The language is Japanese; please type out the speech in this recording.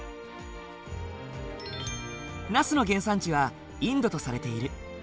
ナスの原産地はインドとされている。